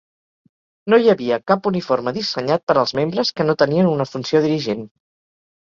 No hi havia cap uniforme dissenyat per als membres que no tenien una funció dirigent.